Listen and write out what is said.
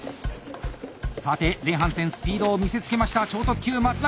さて前半戦スピードを見せつけました超特急・松永！